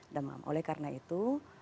demam oleh karena itu